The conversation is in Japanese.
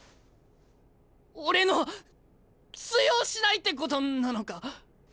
俺の通用しないってことなのか？